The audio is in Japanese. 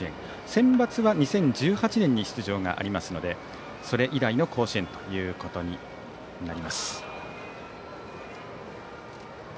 センバツは２０１８年に出場がありますのでそれ以来の甲子園となります。